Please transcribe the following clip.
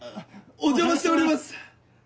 お邪魔しております！